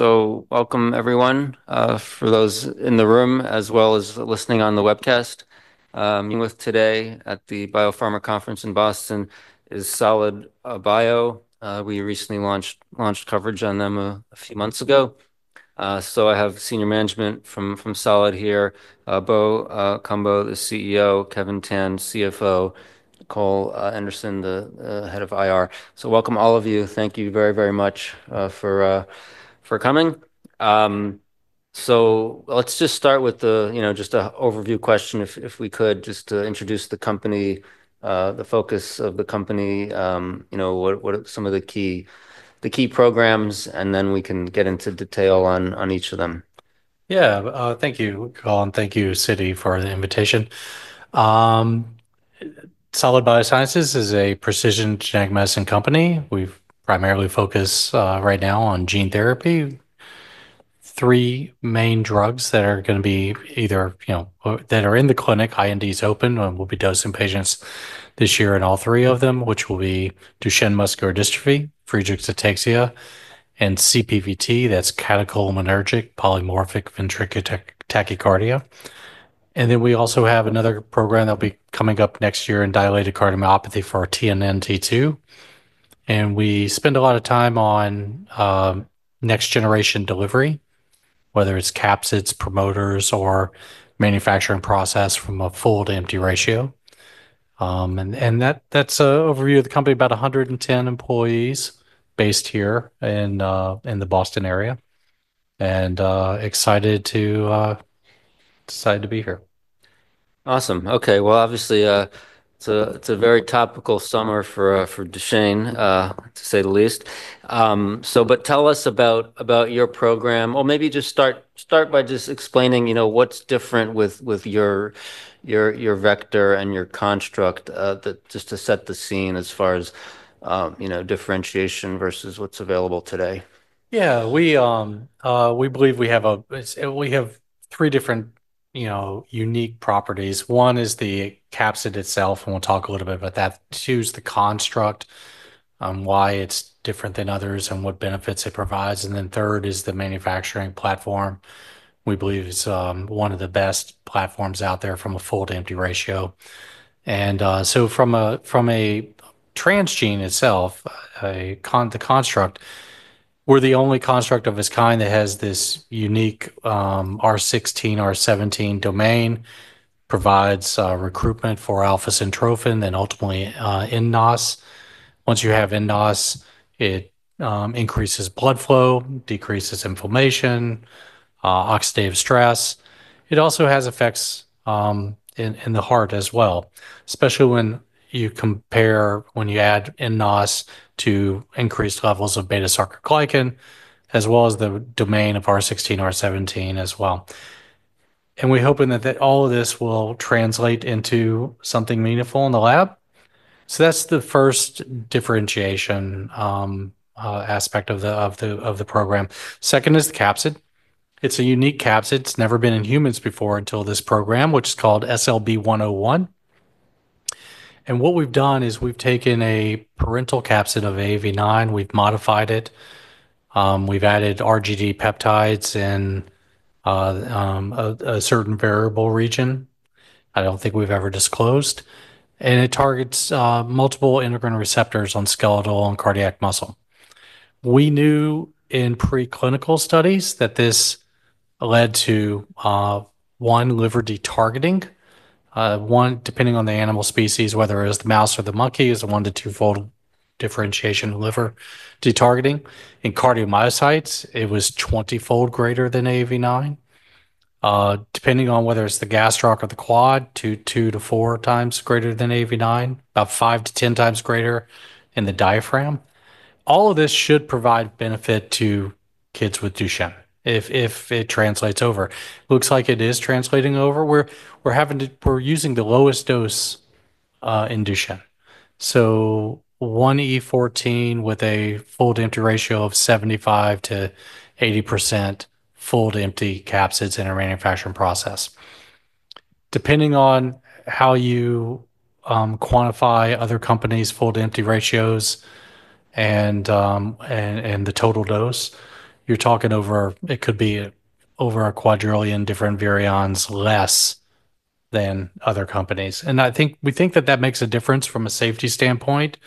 Welcome, everyone, for those in the room as well as listening on the webcast. Today at the Biopharma conference in Boston is Solid Biosciences. We recently launched coverage on them a few months ago. I have senior management from Solid here: Bo Cumbo, the CEO; Kevin Tan, CFO; and Cole Anderson, the Head of Investor Relations. Welcome, all of you. Thank you very, very much for coming. Let's just start with an overview question. If we could just introduce the company, the focus of the company, w hat are some of the key programs, and then we can get into detail on each of them. Yeah, thank you, Cole, and thank you, Citi, for the invitation. Solid Biosciences is a precision genetic medicine company. We primarily focus right now on gene therapy. Three main drugs that are going to be either, you know, that are in the clinic, INDs open, and we'll be dosing patients this year in all three of them, which will be DUCHENNE muscular dystrophy, Friedreich's ataxia, and CPVT. That's catecholaminergic polymorphic ventricular tachycardia. We also have another program that'll be coming up next year in dilated cardiomyopathy for our TNNT2. We spend a lot of time on next-generation delivery, whether it's capsids, promoters, or manufacturing process from a full to empty ratio. That's an overview of the company, about 110 employees based here in the Boston area. Excited to be here. Awesome. OK, obviously, it's a very topical summer for DUCHENNE, to say the least. Tell us about your program. Maybe just start by explaining, you know, what's different with your vector and your construct just to set the scene as far as, you know, differentiation versus what's available today. Yeah, we believe we have three different, you know, unique properties. One is the capsid itself, and we'll talk a little bit about that. Two is the construct, why it's different than others and what benefits it provides. Third is the manufacturing platform. We believe it's one of the best platforms out there from a full to empty ratio. From a transgene itself, the construct, we're the only construct of its kind that has this unique R16, R17 domain, provides recruitment for alpha-syntrophin and ultiimately nNOS. Once you have nNOS, it increases blood flow, decreases inflammation, oxidative stress. It also has effects in the heart as well, especially when you compare, when you add nNOS to increased levels of beta-sarcoglycan, as well as the domain of R16, R17 as well. We're hoping that all of this will translate into something meaningful in the lab. That's the first differentiation aspect of the program. Second is the capsid. It's a unique capsid. It's never been in humans before until this program, which is called SLB-101. What we've done is we've taken a parental capsid of AAV9. We've modified it. We've added RGD peptides in a certain variable region. I don't think we've ever disclosed. It targets multiple endocrine receptors on skeletal and cardiac muscle. We knew in preclinical studies that this led to, one, liver de-targeting. One, depending on the animal species, whether it was the mouse or the monkey, is the one to twofold differentiation of liver de-targeting. In cardiomyocytes, it was 20-fold greater than AAV9. Depending on whether it's the gastroc or the quad, 2x- 4x greater than AAV9, about 5x- 10x greater in the diaphragm. All of this should provide benefit to kids with DUCHENNE if it translates over. Looks like it is translating over. We're using the lowest dose in DUCHENNE, so 1 E14 with a full to empty ratio of -75% 80% full to empty capsids in a manufacturing process. Depending on how you quantify other companies' full to empty ratios and the total dose, you're talking over, it could be over a quadrillion different variants less than other companies. We think that that makes a difference from a safety standpoint.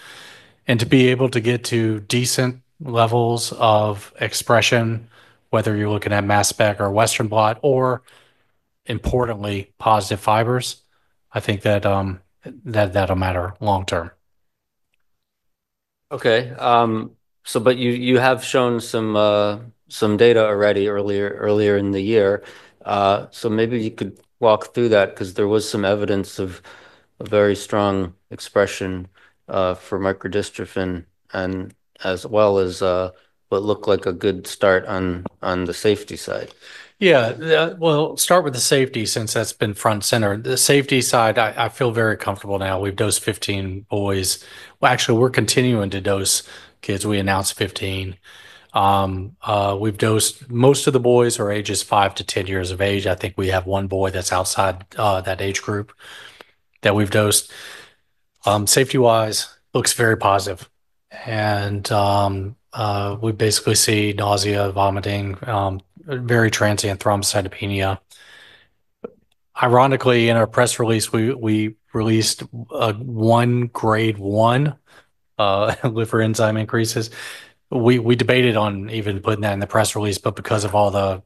To be able to get to decent levels of expression, whether you're looking at mass spec or Western blot or, importantly, positive fibers, I think that that'll matter long- term. OK, you have shown some data already earlier in the year. Maybe you could walk through that because there was some evidence of a very strong expression for microdystrophin, as well as what looked like a good start on the safety side. Yeah, start with the safety since that's been front and center. The safety side, I feel very comfortable now. We've dosed 15 boys. Actually, we're continuing to dose kids. We announced 15. We've dosed most of the boys are ages five to 10 years of age. I think we have one boy that's outside that age group that we've dosed. Safety-wise, it looks very positive. We basically see nausea, vomiting, very transient thrombocytopenia. Ironically, in our press release, we released one Grade 1 liver enzyme increase. We debated on even putting that in the press release, but because of all the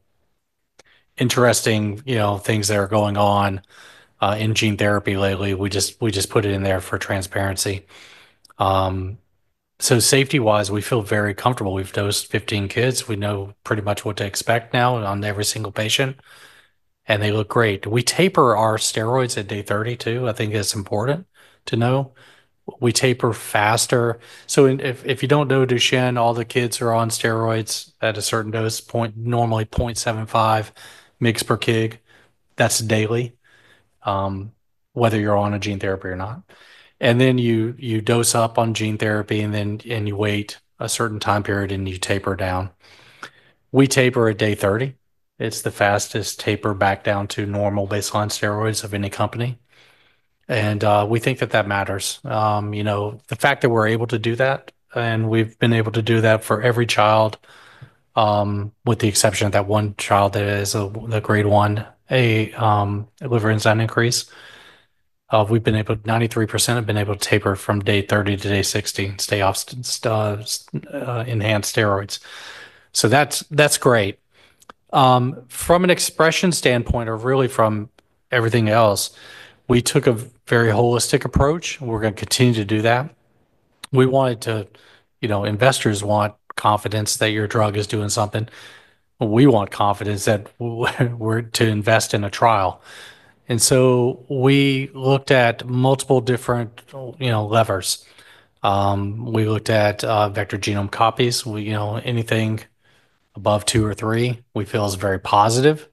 interesting things that are going on in gene therapy lately, we just put it in there for transparency. Safety-wise, we feel very comfortable. We've dosed 15 kids. We know pretty much what to expect now on every single patient, and they look great. We taper our steroids at day 32. I think that's important to know. We taper faster. If you don't know DUCHENNE, all the kids are on steroids at a certain dose point, normally 0.75 mg per kg. That's daily, whether you're on a gene therapy or not. You dose up on gene therapy, and then you wait a certain time period, and you taper down. We taper at day 30. It's the fastest taper back down to normal baseline steroids of any company, and we think that that matters. The fact that we're able to do that, and we've been able to do that for every child, with the exception of that one child that has a Grade 1 liver enzyme increase, we've been able—93% have been able to taper from day 30 to day 60 and stay off enhanced steroids. That's great. From an expression standpoint, or really from everything else, we took a very holistic approach. We're going to continue to do that. We wanted to, you know, investors want confidence that your drug is doing something. We want confidence that we're to invest in a trial. We looked at multiple different levers. We looked at vector genome copies. Anything above 2 or 3, we feel is very positive.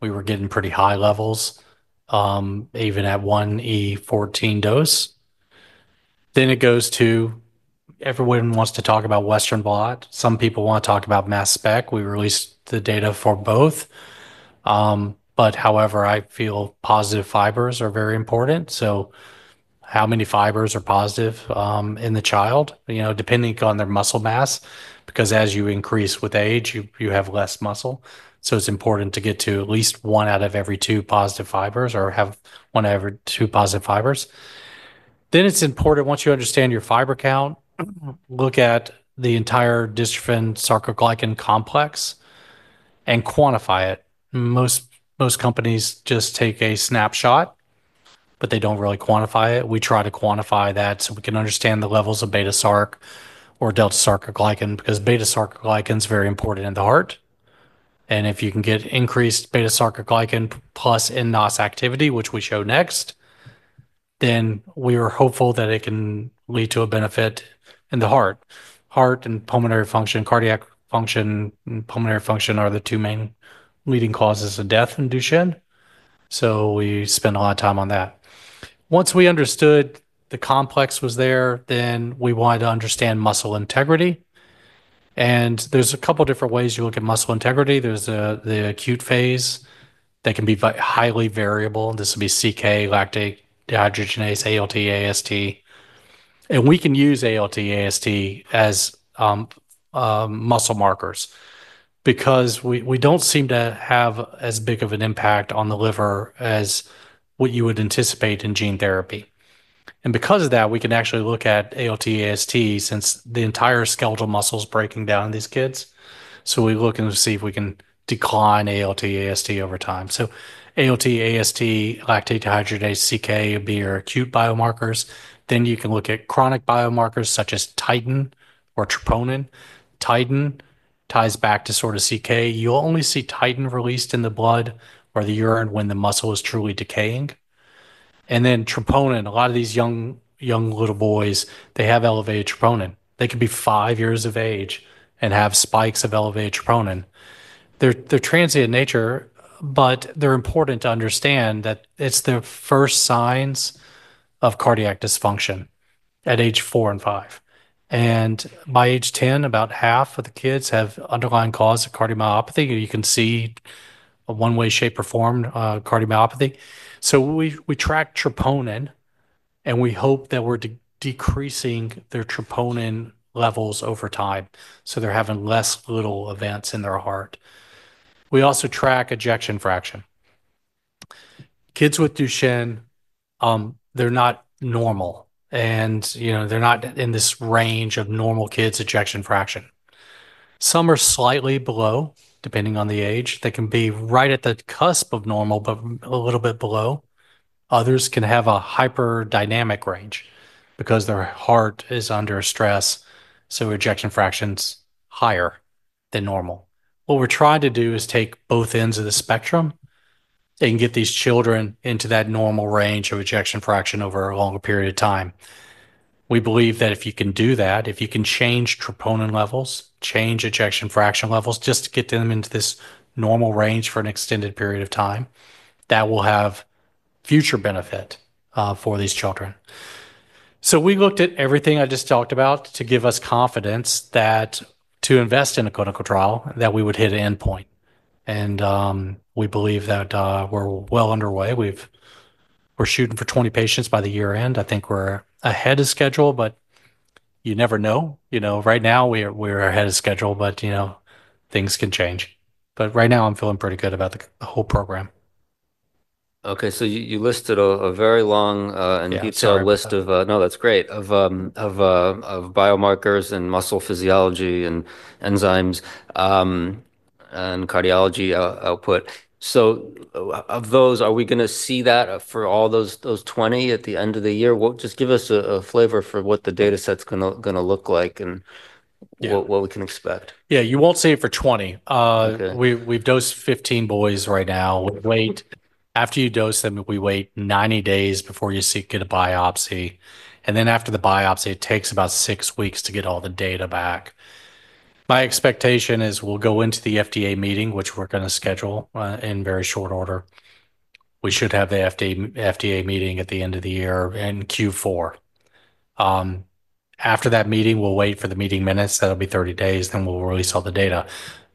We were getting pretty high levels, even at 1 E14 dose. Everyone wants to talk about Western blot. Some people want to talk about mass spec. We released the data for both. However, I feel positive fibers are very important. How many fibers are positive in the child, depending on their muscle mass, because as you increase with age, you have less muscle. It's important to get to at least one out of every two positive fibers or have one out of every two positive fibers. Once you understand your fiber count, look at the entire dystrophin sarcoglycan complex and quantify it. Most companies just take a snapshot, but they don't really quantify it. We try to quantify that so we can understand the levels of beta-sarc or delta-sarcoglyca, because beta-sarcoglycan is very important in the heart. If you can get increased eta-sarcoglycan plus nNOS activity, which we show next, we are hopeful that it can lead to a benefit in the heart. Heart and pulmonary function, cardiac function, pulmonary function are the two main leading causes of death in DUCHENNE. We spent a lot of time on that. Once we understood the complex was there, we wanted to understand muscle integrity. There are a couple of different ways you look at muscle integrity. There's the acute phase that can be highly variable. This would be CK, lactate dehydrogenase, ALT/AST. We can use ALT/ AST as muscle markers because we don't seem to have as big of an impact on the liver as what you would anticipate in gene therapy. Because of that, we can actually look at ALT/ AST, since the entire skeletal muscle is breaking down in these kids. We look and see if we can decline ALT/ AST over time. ALT/ AST, lactate dehydrogenase, CK would be your acute biomarkers. Then you can look at chronic biomarkers such as TITIN or troponin. TITIN ties back to sort of CK. You'll only see TITIN released in the blood or the urine when the muscle is truly decaying. Troponin, a lot of these young, young little boys, they have elevated troponin. They could be five years of age and have spikes of elevated troponin. They're transient in nature, but they're important to understand that it's the first signs of cardiac dysfunction at age four and five. By age 10, about 1/2 of the kids have underlying cause of cardiomyopathy. You can see a one-way shape or form cardiomyopathy. We track troponin, and we hope that we're decreasing their troponin levels over time so they're having less little events in their heart. We also track ejection fraction. Kids with DUCHENNE, they're not normal. They're not in this range of normal kids' ejection fraction. Some are slightly below, depending on the age. They can be right at the cusp of normal, but a little bit below. Others can have a hyperdynamic range because their heart is under stress, so ejection fraction's higher than normal. What we're trying to do is take both ends of the spectrum and get these children into that normal range of ejection fraction over a longer period of time. We believe that if you can do that, if you can change troponin levels, change ejection fraction levels just to get them into this normal range for an extended period of time, that will have future benefit for these children. We looked at everything I just talked about to give us confidence that to invest in a clinical trial, that we would hit an endpoint. We believe that we're well underway. We're shooting for 20 patients by the year-end. I think we're ahead of schedule, but you never know. Right now we're ahead of schedule, but things can change. Right now I'm feeling pretty good about the whole program. OK, you listed a very long and detailed list of biomarkers and muscle physiology and enzymes and cardiology output. Of those, are we going to see that for all those 20 at the end of the year? Just give us a flavor for what the data set's going to look like and what we can expect. Yeah, you won't see it for 2020. We've dosed 15 boys right now. After you dose them, we wait 90 days before you get a biopsy, and then after the biopsy, it takes about six weeks to get all the data back. My expectation is we'll go into the FDA meeting, which we're going to schedule in very short order. We should have the FDA meeting at the end of the year in Q4. After that meeting, we'll wait for the meeting minutes. That'll be 30 days. Then we'll release all the data.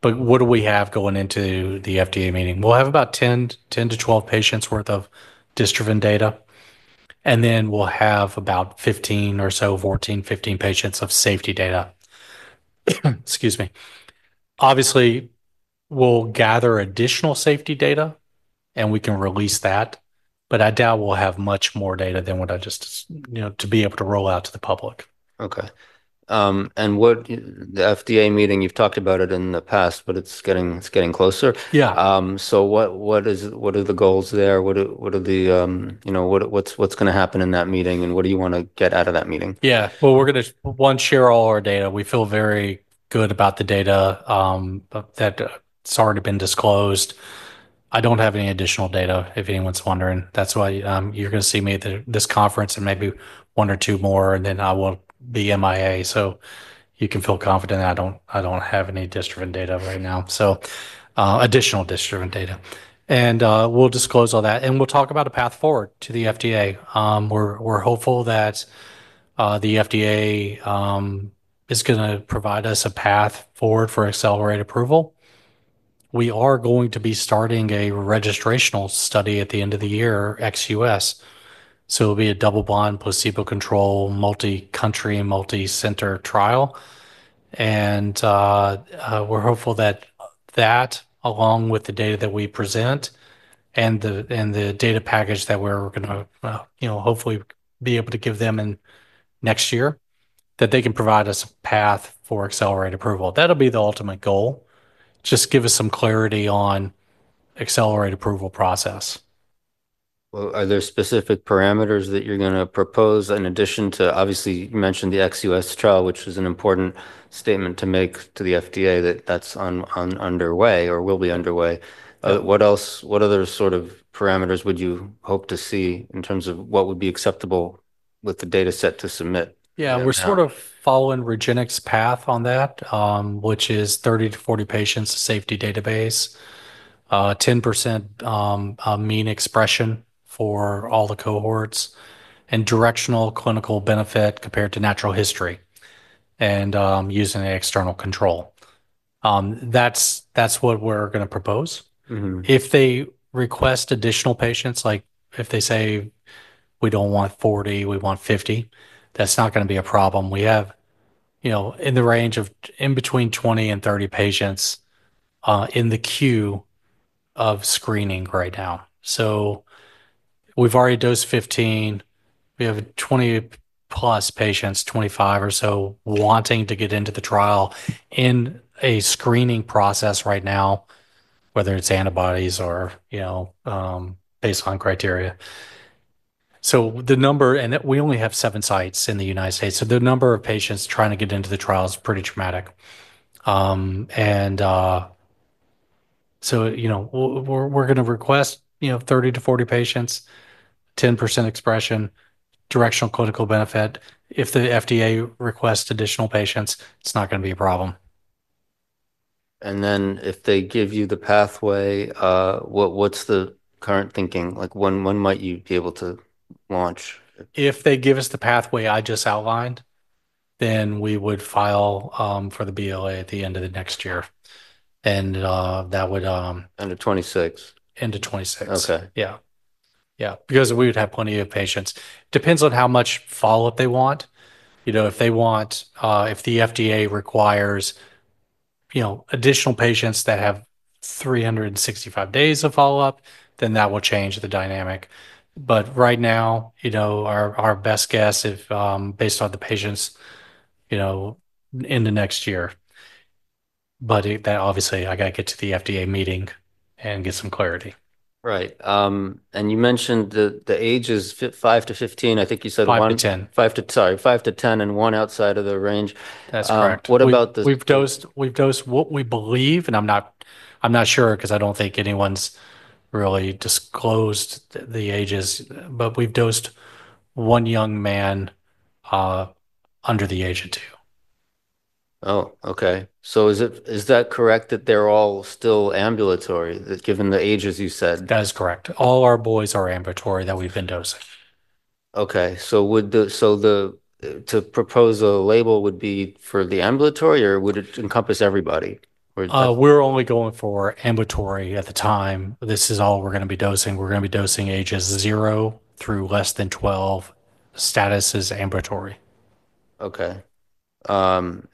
What do we have going into the FDA meeting? We'll have about 10- 12 patients' worth of dystrophin data, and then we'll have about 15 or so, 14, 15 patients of safety data. Obviously, we'll gather additional safety data, and we can release that. I doubt we'll have much more data than what I just, you know, to be able to roll out to the public. Okay. What the FDA meeting, you've talked about it in the past, but it's getting closer. Yeah. What are the goals there? What are the, you know, what's going to happen in that meeting? What do you want to get out of that meeting? Yeah, we're going to, one, share all our data. We feel very good about the data that's already been disclosed. I don't have any additional data, if anyone's wondering. That's why you're going to see me at this conference and maybe one or two more. Then I will be MIA. You can feel confident that I don't have any dystrophin data right now, so additional dystrophin data. We'll disclose all that and talk about a path forward to the FDA. We're hopeful that the FDA is going to provide us a path forward for accelerated approval. We are going to be starting a registrational study at the end of the year, XUS. It will be a double-blind, placebo-controlled, multi-country, and multi-center trial. We're hopeful that, along with the data that we present and the data package that we're going to, you know, hopefully be able to give them next year, they can provide us a path for accelerated approval. That'll be the ultimate goal. Just give us some clarity on the accelerated approval process. Are there specific parameters that you're going to propose in addition to, obviously, you mentioned the ex-U.S. trial, which was an important statement to make to the FDA that that's underway or will be underway? What other sort of parameters would you hope to see in terms of what would be acceptable with the data set to submit? Yeah, we're sort of following REGENX path on that, which is 30- 40 patients of safety database, 10% mean expression for all the cohorts, and directional clinical benefit compared to natural history and using an external control. That's what we're going to propose. If they request additional patients, like if they say, we don't want 40, we want 50, that's not going to be a problem. We have, you know, in the range of in between 20 and 30 patients in the queue of screening right now. We've already dosed 15. We have 20+ patients, 25 or so, wanting to get into the trial in a screening process right now, whether it's antibodies or, you know, baseline criteria. The number, and we only have seven sites in the U.S. The number of patients trying to get into the trial is pretty dramatic. We're going to request, you know, 30-4 0 patients, 10% expression, directional clinical benefit. If the FDA requests additional patients, it's not going to be a problem. If they give you the pathway, what's the current thinking? Like when might you be able to launch? If they give us the pathway I just outlined, we would file for the BLA at the end of the next year. That would. End of 2026. End of 2026. Okay. Yeah, because we would have plenty of patients. Depends on how much follow-up they want. If the FDA requires additional patients that have 365 days of follow-up, that will change the dynamic. Right now, our best guess is based on the patients in the next year. Obviously, I got to get to the FDA meeting and get some clarity. Right. You mentioned the ages, five to 15. I think you said one. Five to 10. Sorry, five to 10 and one outside of the range. That's correct. What about the... We've dosed what we believe, and I'm not sure because I don't think anyone's really disclosed the ages, but we've dosed one young man under the age of 2. Okay. Is that correct that they're all still ambulatory, given the ages you said? That is correct. All our boys are ambulatory that we've been dosing. To propose a label, would it be for the ambulatory, or would it encompass everybody? We're only going for ambulatory at the time. This is all we're going to be dosing. We're going to be dosing ages 0 through less than 12. Status is ambulatory. Okay. Are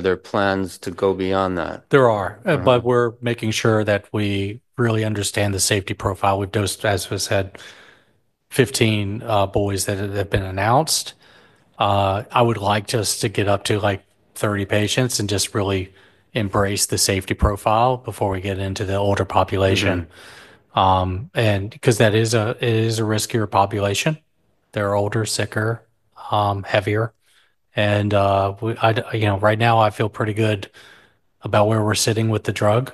there plans to go beyond that? There are, but we're making sure that we really understand the safety profile. We've dosed, as I said, 15 boys that have been announced. I would like us to get up to 30 patients and just really embrace the safety profile before we get into the older population, because that is a riskier population. They're older, sicker, heavier. Right now I feel pretty good about where we're sitting with the drug.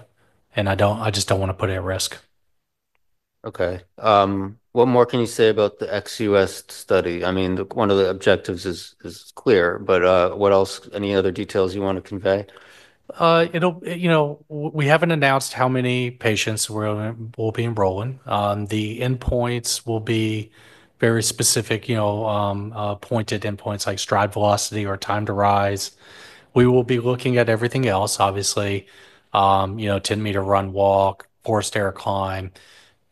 I just don't want to put it at risk. Okay. What more can you say about the ex-U.S. study? I mean, one of the objectives is clear, but what else, any other details you want to convey? We haven't announced how many patients we'll be enrolling. The endpoints will be very specific, pointed endpoints like stride velocity or time to rise. We will be looking at everything else, obviously. 10 m run, walk, four stair climb,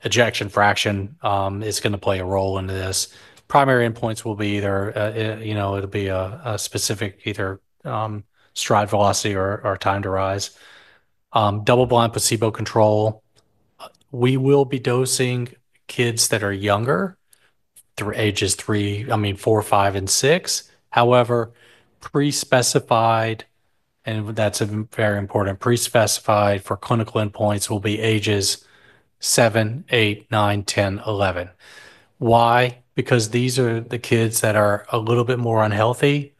ejection fraction is going to play a role in this. Primary endpoints will be either a specific stride velocity or time to rise. Double-blind, placebo-controlled. We will be dosing kids that are younger through ages 3, 4, 5, and 6. However, pre-specified, and that's very important, pre-specified for clinical endpoints will be ages 7, 8, 9, 10, 11. Why? Because these are the kids that are a little bit more unhealthy.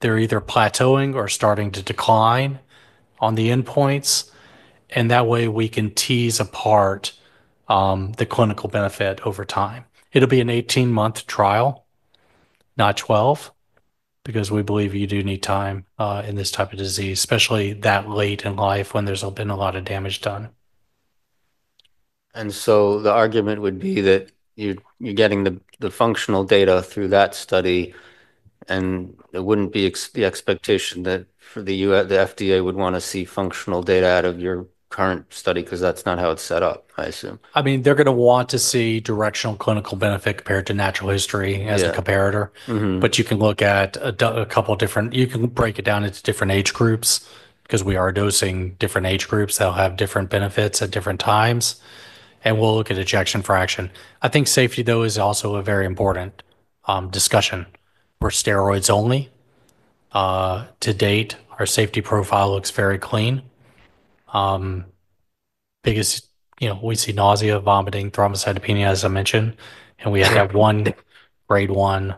They're either plateauing or starting to decline on the endpoints. That way, we can tease apart the clinical benefit over time. It'll be an 18-month trial, not 12, because we believe you do need time in this type of disease, especially that late in life when there's been a lot of damage done. The argument would be that you're getting the functional data through that study. It wouldn't be the expectation that the FDA would want to see functional data out of your current study because that's not how it's set up, I assume. I mean, they're going to want to see directional clinical benefit compared to natural history as a comparator. You can look at a couple of different, you can break it down into different age groups because we are dosing different age groups that'll have different benefits at different times. We'll look at ejection fraction. I think safety, though, is also a very important discussion. We're steroids only. To date, our safety profile looks very clean because, you know, we see nausea, vomiting, thrombocytopenia, as I mentioned. We have that one Grade 1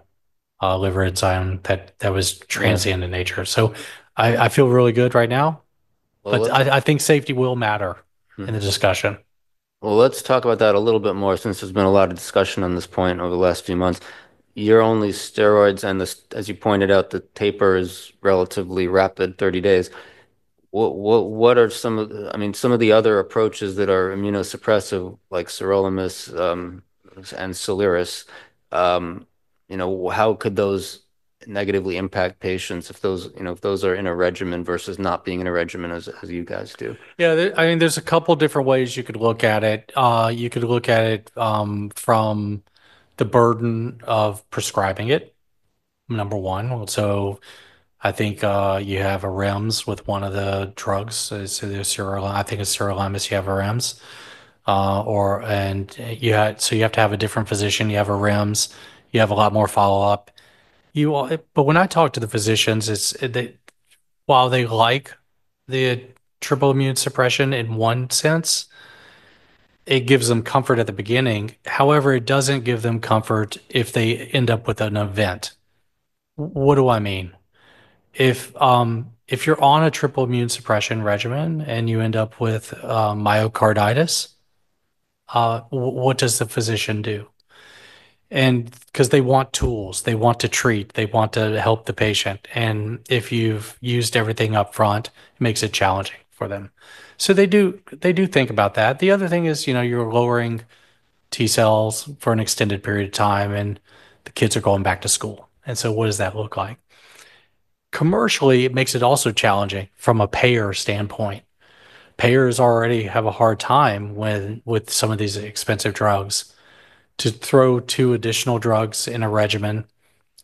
liver enzyme that was transient in nature. I feel really good right now. I think safety will matter in the discussion. Let's talk about that a little bit more since there's been a lot of discussion on this point over the last few months. You're only steroids, and as you pointed out, the taper is relatively rapid, 30 days. What are some, I mean, some of the other approaches that are immunosuppressive, like Sirolimus and Soliris? How could those negatively impact patients if those are in a regimen versus not being in a regimen as you guys do? Yeah, I mean, there's a couple of different ways you could look at it. You could look at it from the burden of prescribing it, number one. I think you have a REMS with one of the drugs. I think it's Sirolimus. You have a REMS, or you have to have a different physician. You have a REMS. You have a lot more follow-up. When I talk to the physicians, it's while they like the triple immune suppression in one sense, it gives them comfort at the beginning. However, it doesn't give them comfort if they end up with an event. What do I mean? If you're on a triple immune suppression regimen and you end up with myocarditis, what does the physician do? They want tools, they want to treat, they want to help the patient. If you've used everything up front, it makes it challenging for them. They do think about that. The other thing is, you're lowering T cells for an extended period of time, and the kids are going back to school. What does that look like? Commercially, it makes it also challenging from a payer standpoint. Payers already have a hard time with some of these expensive drugs. To throw two additional drugs in a regimen,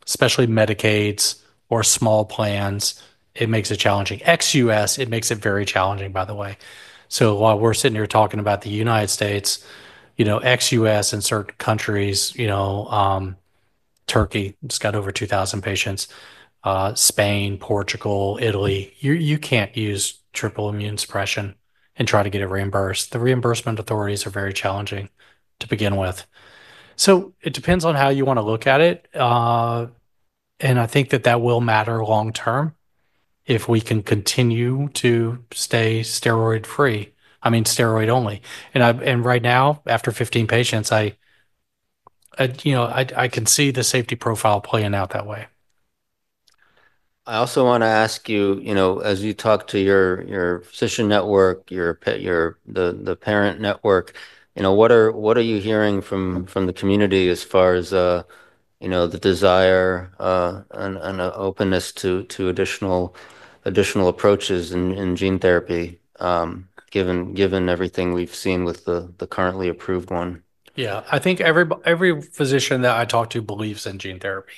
especially Medicaids or small plans, it makes it challenging. ex-U.S., it makes it very challenging, by the way. While we're sitting here talking about the United States., ex-U.S. in certain countries, Turkey's got over 2,000 patients, Spain, Portugal, Italy, you can't use triple immune suppression and try to get it reimbursed. The reimbursement authorities are very challenging to begin with. It depends on how you want to look at it. I think that that will matter long term if we can continue to stay steroid-free, I mean, steroid only. Right now, after 15 patients, I can see the safety profile playing out that way. I also want to ask you, as you talk to your physician network and your parent network, what are you hearing from the community as far as the desire and openness to additional approaches in gene therapy, given everything we've seen with the currently approved one? Yeah, I think every physician that I talk to believes in gene therapy.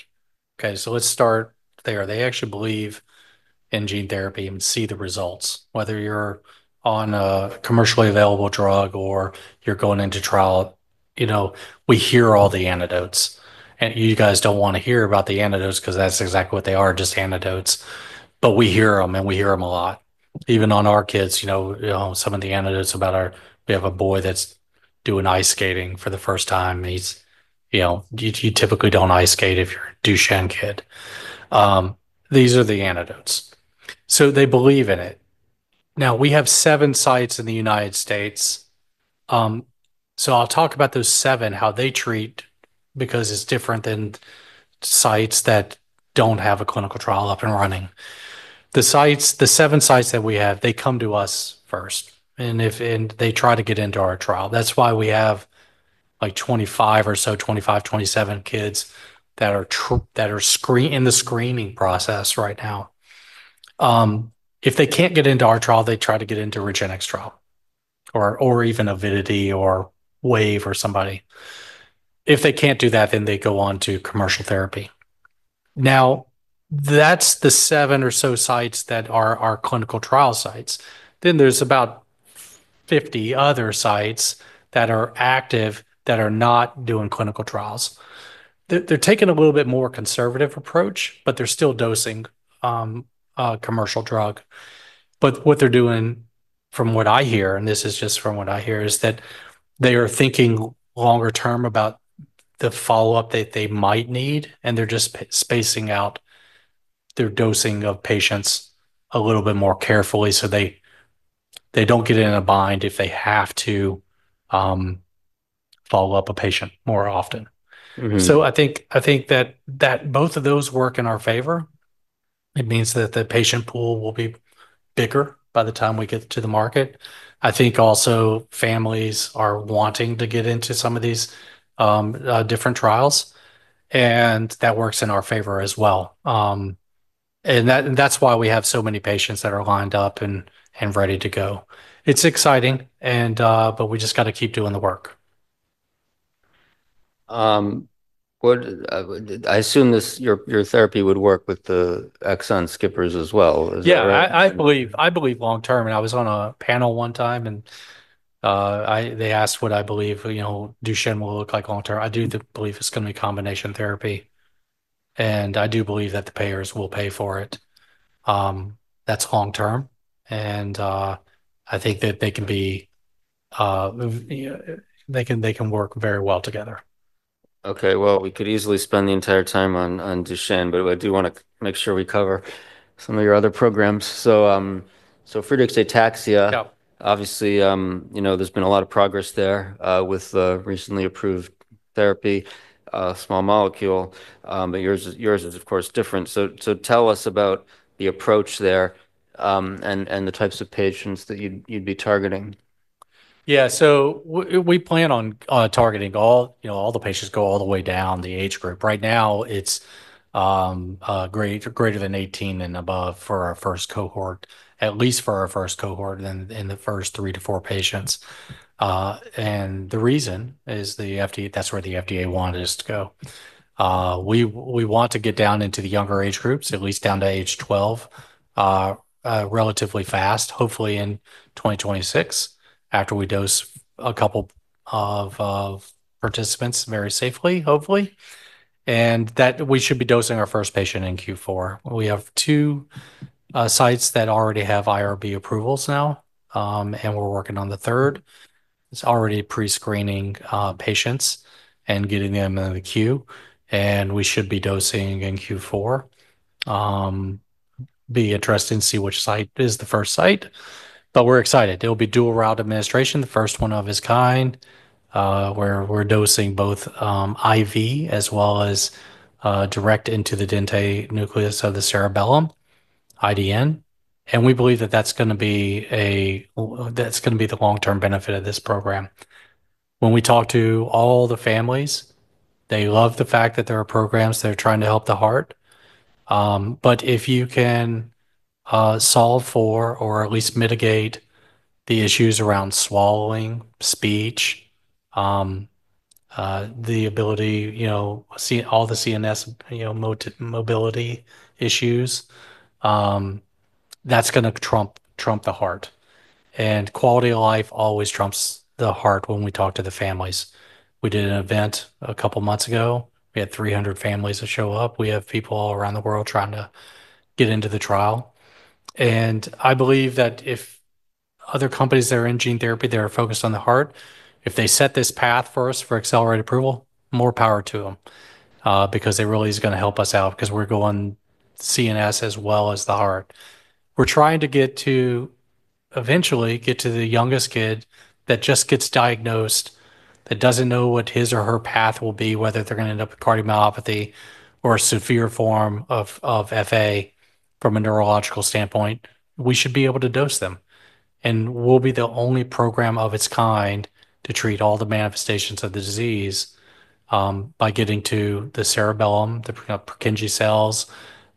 OK, so let's start there. They actually believe in gene therapy and see the results. Whether you're on a commercially available drug or you're going into trial, you know, we hear all the anecdotes. You guys don't want to hear about the anecdotes because that's exactly what they are, just anecdotes. We hear them, and we hear them a lot. Even on our kids, you know, some of the anecdotes about our, we have a boy that's doing ice skating for the first time. He's, you know, you typically don't ice skate if you're a DUCHENNE kid. These are the anecdotes. They believe in it. Now, we have seven sites in the United States. I'll talk about those seven, how they treat, because it's different than sites that don't have a clinical trial up and running. The seven sites that we have, they come to us first. They try to get into our trial. That's why we have like 25 or so, 25, 27 kids that are in the screening process right now. If they can't get into our trial, they try to get into REGENX trial or even Avidity or Wave or somebody. If they can't do that, they go on to commercial therapy. That's the seven or so sites that are our clinical trial sites. Then there's about 50 other sites that are active that are not doing clinical trials. They're taking a little bit more conservative approach, but they're still dosing a commercial drug. What they're doing, from what I hear, and this is just from what I hear, is that they are thinking longer term about the follow-up that they might need. They're just spacing out their dosing of patients a little bit more carefully so they don't get in a bind if they have to follow up a patient more often. I think that both of those work in our favor. It means that the patient pool will be bigger by the time we get to the market. I think also families are wanting to get into some of these different trials. That works in our favor as well. That's why we have so many patients that are lined up and ready to go. It's exciting, but we just got to keep doing the work. I assume your therapy would work with the exon skippers as well. I believe long term. I was on a panel one time, and they asked what I believe DUCHENNE will look like long- term. I do believe it's going to be a combination therapy. I do believe that the payers will pay for it. That's long term. I think that they can be, they can work very well together. Okay, we could easily spend the entire time on DUCHENNE, but I do want to make sure we cover some of your other programs. Friedreich's ataxia, obviously, you know, there's been a lot of progress there with the recently approved therapy, small molecule. Yours is, of course, different. Tell us about the approach there and the types of patients that you'd be targeting. Yeah, so we plan on targeting all, you know, all the patients, go all the way down the age group. Right now, it's greater than 18 and above for our first cohort, at least for our first cohort, and then in the first three to four patients. The reason is that's where the FDA wanted us to go. We want to get down into the younger age groups, at least down to age 12, relatively fast, hopefully in 2026, after we dose a couple of participants very safely, hopefully. We should be dosing our first patient in Q4. We have two sites that already have IRB approvals now, and we're working on the third. It's already pre-screening patients and getting them in the queue. We should be dosing in Q4. Be interested to see which site is the first site. We're excited. It'll be dual-route administration, the first one of its kind, where we're dosing both IV as well as direct into the dentate nucleus of the cerebellum, IDN. We believe that that's going to be the long-term benefit of this program. When we talk to all the families, they love the fact that there are programs that are trying to help the heart. If you can solve for or at least mitigate the issues around swallowing, speech, the ability, you know, all the CNS mobility issues, that's going to trump the heart. Quality of life always trumps the heart when we talk to the families. We did an event a couple of months ago. We had 300 families show up. We have people all around the world trying to get into the trial. I believe that if other companies that are in gene therapy that are focused on the heart, if they set this path for us for accelerated approval, more power to them because they're really going to help us out because we're going CNS as well as the heart. We're trying to get to, eventually get to the youngest kid that just gets diagnosed, that doesn't know what his or her path will be, whether they're going to end up with cardiomyopathy or a severe form of FA from a neurological standpoint. We should be able to dose them. We'll be the only program of its kind to treat all the manifestations of the disease by getting to the cerebellum, the Purkinje cells,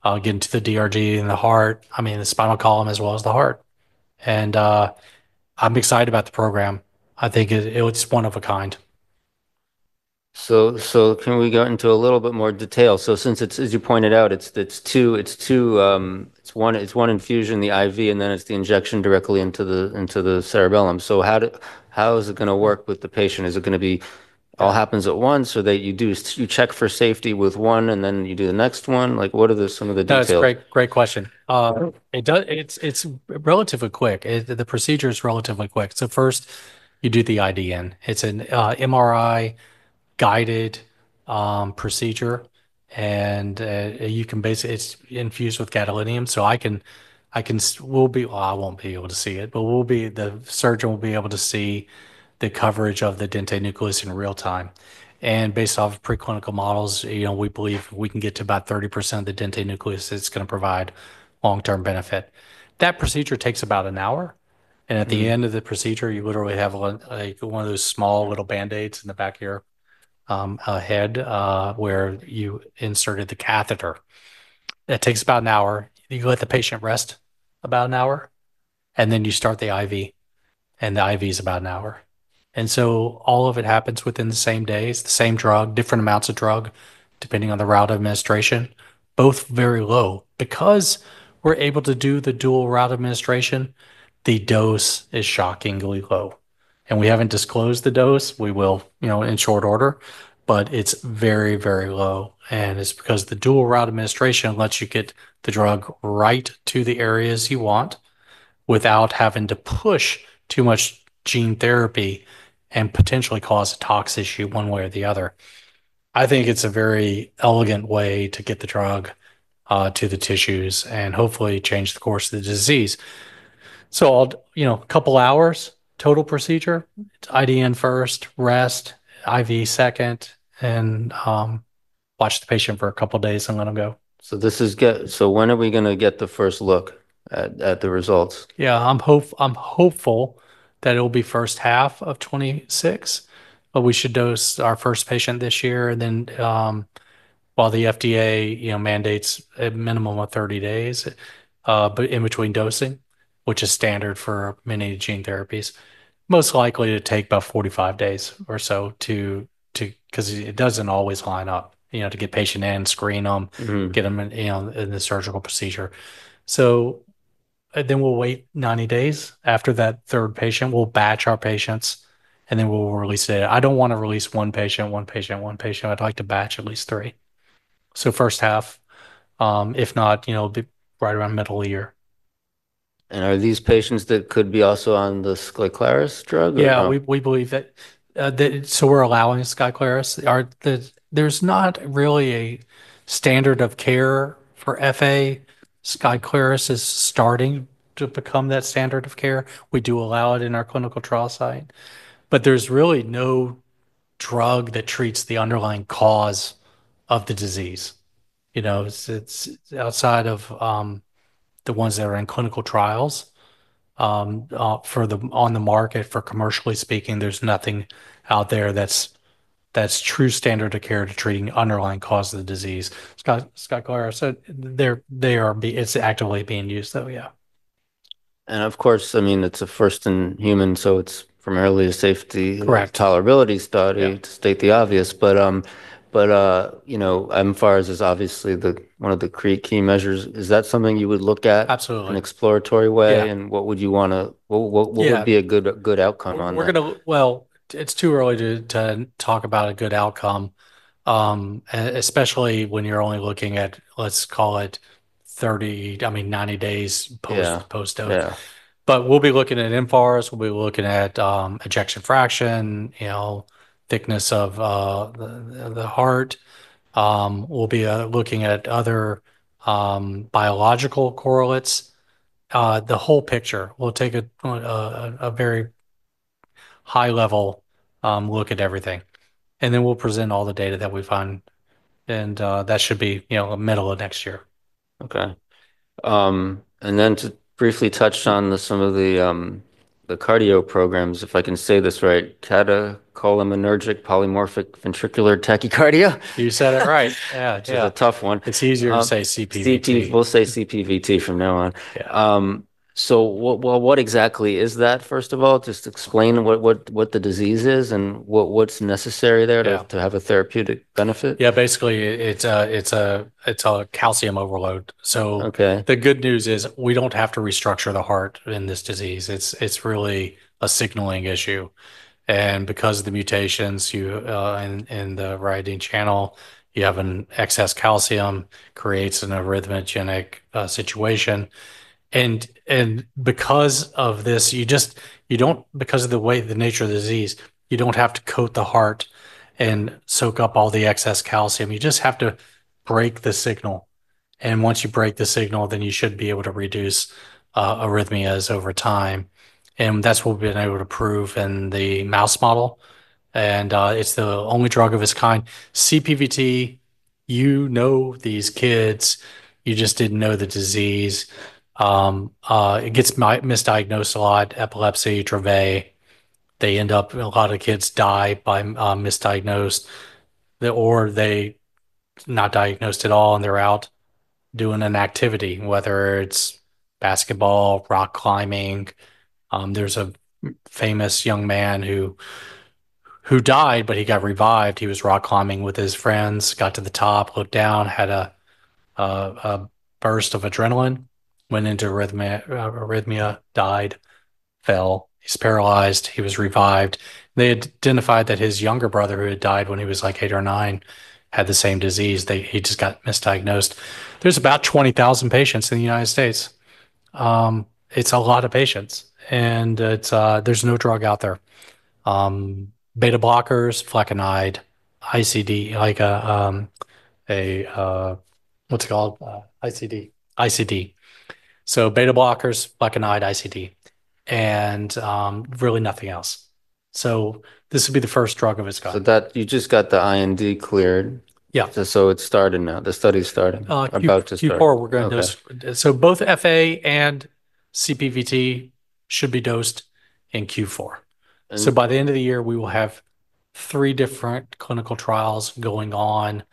getting to the DRG and the heart, I mean, the spinal column as well as the heart. I'm excited about the program. I think it's one of a kind. Can we go into a little bit more detail? Since it's, as you pointed out, it's two, it's one, it's one infusion, the IV, and then it's the injection directly into the cerebellum. How is it going to work with the patient? Is it going to be all happens at once, or that you check for safety with one, and then you do the next one? What are some of the details? That's a great question. It's relatively quick. The procedure is relatively quick. First, you do the IDN. It's an MRI-guided procedure, and it's infused with gadolinium. The surgeon will be able to see the coverage of the dentate nucleus in real- time. Based off preclinical models, we believe we can get to about 30% of the dentate nucleus that's going to provide long-term benefit. That procedure takes about an hour. At the end of the procedure, you literally have one of those small little Band-Aids in the back of your head where you inserted the catheter. That takes about an hour. You let the patient rest about an hour, then you start the IV. The IV is about an hour. All of it happens within the same day, the same drug, different amounts of drug depending on the route of administration, both very low. Because we're able to do the dual route administration, the dose is shockingly low. We haven't disclosed the dose. We will in short order, but it's very, very low. It's because the dual route administration lets you get the drug right to the areas you want without having to push too much gene therapy and potentially cause a tox issue one way or the other. I think it's a very elegant way to get the drug to the tissues and hopefully change the course of the disease. A couple of hours total procedure, IDN first, rest, IV second, and watch the patient for a couple of days, then I'm going to go. When are we going to get the first look at the results? Yeah, I'm hopeful that it'll be first half of 2026. We should dose our first patient this year. While the FDA mandates a minimum of 30 days in between dosing, which is standard for many gene therapies, most likely it will take about 45 days or so because it doesn't always line up to get a patient in, screen them, and get them in the surgical procedure. We will wait 90 days after that third patient. We'll batch our patients, and then we'll release it. I don't want to release one patient, one patient, one patient. I'd like to batch at least three. First half, if not, you know, right around the middle of the year. Are these patients that could be also on the SKYCLARYS drug? Yeah, we believe that. We're allowing SKYCLARYS. There's not really a standard of care for FA. SKYCLARYS is starting to become that standard of care. We do allow it in our clinical trial site, but there's really no drug that treats the underlying cause of the disease. It's outside of the ones that are in clinical trials or on the market. For commercially speaking, there's nothing out there that's true standard of care to treat an underlying cause of the disease. SKYCLARYS, they are, it's actively being used, though, yeah. Of course, I mean, it's a first in human, so it's primarily a safety and tolerability study to state the obvious. You know, mFARS is obviously one of the key measures. Is that something you would look at in an exploratory way? What would you want to, what would be a good outcome on that? It's too early to talk about a good outcome, especially when you're only looking at, let's call it 30, I mean, 90 days post-dose. We'll be looking at mFARS. We'll be looking at ejection fraction, you know, thickness of the heart. We'll be looking at other biological correlates, the whole picture. We'll take a very high-level look at everything. We'll present all the data that we find. That should be, you know, middle of next year. Okay. To briefly touch on some of the cardio programs, if I can say this right, catecholaminergic polymorphic ventricular tachycardia. You said it right. Yeah, it's a tough one. It's easier to say CPVT. We'll say CPVT from now on. What exactly is that, first of all? Just explain what the disease is and what's necessary there to have a therapeutic benefit? Yeah, basically, it's a calcium overload. The good news is we don't have to restructure the heart in this disease. It's really a signaling issue. Because of the mutations in the ryanodine channel, you have an excess calcium that creates an arrhythmogenic situation. Because of this, you don't, because of the way the nature of the disease, you don't have to coat the heart and soak up all the excess calcium. You just have to break the signal. Once you break the signal, then you should be able to reduce arrhythmias over time. That's what we've been able to prove in the mouse model. It's the only drug of its kind. CPVT, you know these kids. You just didn't know the disease. It gets misdiagnosed a lot, epilepsy, Dravet. They end up, a lot of kids die by misdiagnosed, or they're not diagnosed at all, and they're out doing an activity, whether it's basketball, rock climbing. There's a famous young man who died, but he got revived. He was rock climbing with his friends, got to the top, looked down, had a burst of adrenaline, went into arrhythmia, died, fell, he's paralyzed, he was revived. They identified that his younger brother, who had died when he was like eight or nine, had the same disease. He just got misdiagnosed. There's about 20,000 patients in the United States. It's a lot of patients. There's no drug out there. Beta-blockers, flecainide, ICD, like a, what's it called? ICD. ICD. Beta-blockers, flecainide, ICD, and really nothing else. This would be the first drug of its kind. You just got the IND cleared. Yeah. It's starting now. The study is starting. Q4 we're going to. Both FA and CPVT should be dosed in Q4. By the end of the year, we will have three different clinical trials going on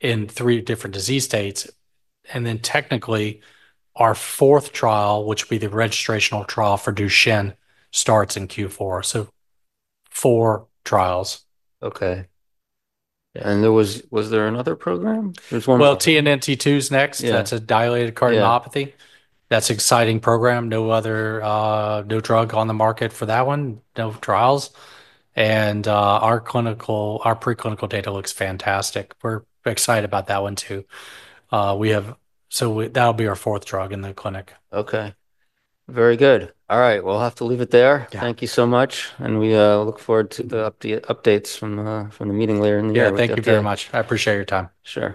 in three different disease states. Technically, our fourth trial, which would be the registrational trial for DUCHENNE, starts in Q4. Four trials. Okay. Was there another program? TNNT2 is next. That's a dilated cardiomyopathy. That's an exciting program. No drug on the market for that one, no trials. Our preclinical data looks fantastic. We're excited about that one too. That'll be our fourth drug in the clinic. OK. Very good. All right, we'll have to leave it there. Thank you so much. We look forward to the updates from the meeting later in the year. Thank you very much. I appreciate your time. Sure.